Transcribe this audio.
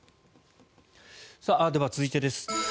では、続いてです。